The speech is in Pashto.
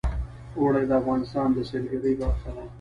اوړي د افغانستان د سیلګرۍ برخه ده.